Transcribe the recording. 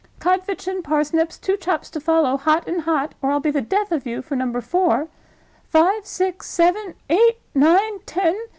Codfish and parsnips, two chops to follow, hot and hot, or I'll be the death of you, for Number Four. Five, six, seven, eight, nine, ten.